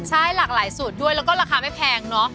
ใช่หลากหลายสูตรด้วยแล้วก็ราคาไม่แพงเนอะ